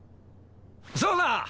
そうだ！